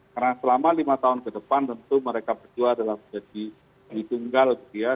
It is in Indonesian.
karena selama lima tahun ke depan tentu mereka berdua adalah menjadi di tunggal